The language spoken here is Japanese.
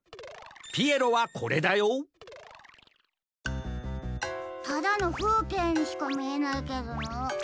ピエロはこれだよただのふうけいにしかみえないけど。